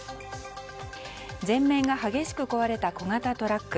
前面が激しく壊れた小型トラック。